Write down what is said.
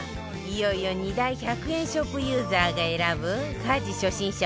いよいよ２大１００円ショップユーザーが選ぶ家事初心者